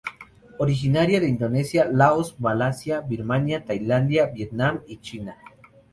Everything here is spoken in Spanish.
Originaria de Indonesia, Laos, Malasia, Birmania, Tailandia, Vietnam y China.